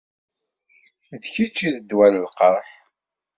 D kečč i d ddwa n lqerḥ.